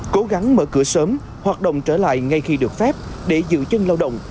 cố gắng mở cửa sớm hoạt động trở lại ngay khi được phép để giữ chân lao động